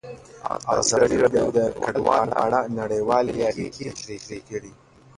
ازادي راډیو د کډوال په اړه نړیوالې اړیکې تشریح کړي.